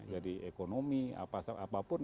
jadi ekonomi apapun